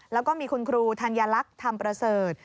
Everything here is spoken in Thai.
แล้วก็มีคุณครูธัญลักษณ์ธรรมประเสริฐ